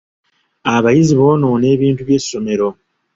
Abayizi bonoona ebintu by'essomero.